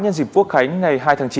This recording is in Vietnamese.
nhân dịp quốc khánh ngày hai tháng chín